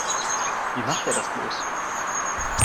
Wie macht er das bloß?